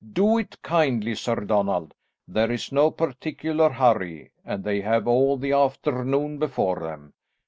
Do it kindly, Sir Donald. There is no particular hurry, and they have all the afternoon before them.